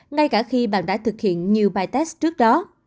ngay cả khi bạn đã thực hiện nhiều bài test trước đó